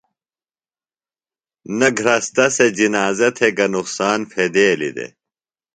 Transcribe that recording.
نہ گھرستہ سےۡ جنازہ تھےۡ گہ نُقصان پھیدیلیۡ دےۡ